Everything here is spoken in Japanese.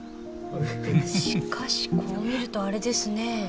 しかしこう見るとあれですね。